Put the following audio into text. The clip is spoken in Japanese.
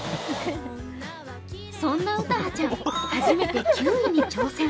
そんな詩葉ちゃん、初めてキウイに挑戦。